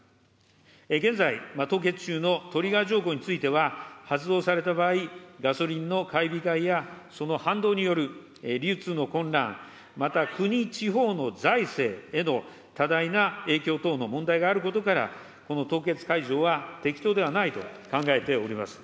現在凍結中のトリガー条項については、発動された場合、ガソリンの買い控えやその反動による流通の混乱、また国、地方の財政への多大な影響等の問題があることから、この凍結解除は適当ではないと考えております。